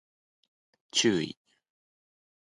注意